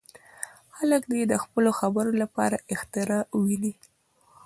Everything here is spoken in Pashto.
خلک دې د خپلو خبرو لپاره احترام وویني.